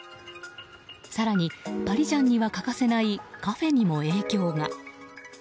更に、パリジャンには欠かせないカフェにも影響が。